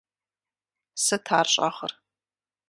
Сыт ар щӏэгъыр?